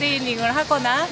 yang membuat foto